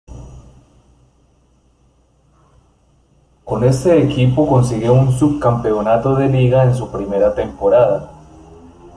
Con este equipo consigue un subcampeonato de Liga en su primera temporada.